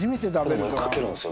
かけるんですよ